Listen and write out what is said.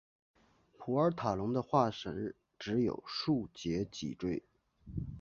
普尔塔龙的化石只有数节脊椎。